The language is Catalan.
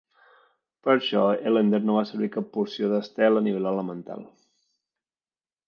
Per això, Ellender no va servir cap porció d'Estelle a nivell elemental.